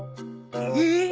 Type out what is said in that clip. えっ？